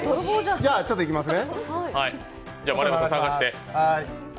じゃあ、ちょっといきますね